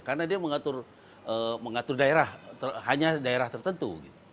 karena dia mengatur daerah hanya daerah tertentu